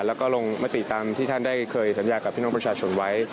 แล้วก็ลงมติตามที่ท่านได้เคยสัญญากับพี่น้องประชาชนไว้